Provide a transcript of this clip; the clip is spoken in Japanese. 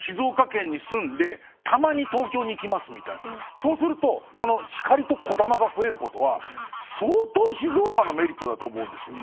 そうするとこのひかりとこだまが増える事は蠹静岡のメリットだと思うんですよ。